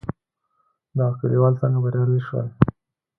دغه کليوال څنګه بريالي شول؟